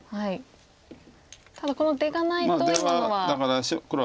ただこの出がないと今のは。